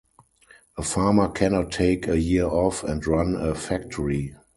A farmer cannot take a year off and run a factory.